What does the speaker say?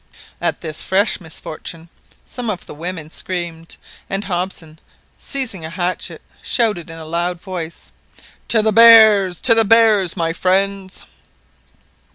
At this fresh misfortune some of the women screamed; and Hobson, seizing a hatchet, shouted in a loud voice "To the bears! to the bears, my friends